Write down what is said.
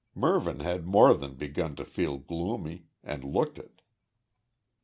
Mervyn had more than begun to feel gloomy and looked it.